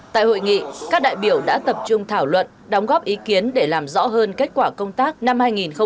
tại hội nghị các đại biểu đã tập trung thảo luận đóng góp ý kiến để làm rõ hơn kết quả công tác năm hai nghìn hai mươi